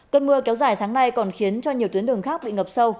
cơn mưa kéo dài sáng nay còn khiến cho nhiều tuyến đường khác bị ngập sâu